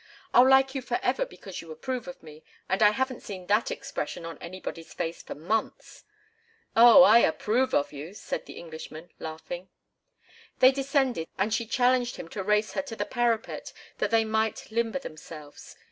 I'll like you forever because you approve of me, and I haven't seen that expression on anybody's face for months." "Oh, I approve of you!" said the Englishman, laughing. They descended, and she challenged him to race her to the parapet that they might limber themselves.